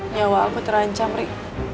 nyawa aku terancam ri